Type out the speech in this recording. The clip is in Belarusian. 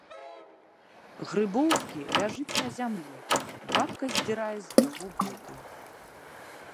Грыбоўскі ляжыць на зямлі, бабка здзірае з яго боты.